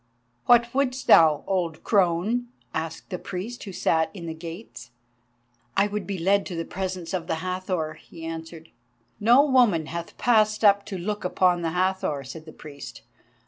"What wouldst thou, old crone?" asked the priest who sat in the gates. "I would be led to the presence of the Hathor," he answered. "No woman hath passed up to look upon the Hathor," said the priest.